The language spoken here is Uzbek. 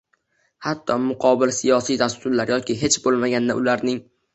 hatto muqobil siyosiy dasturlar yoki hech bo‘lmaganda ularning